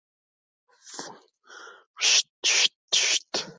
Ayolimiz adoq bitiklarni bitayotib ko‘zi ketdimikin?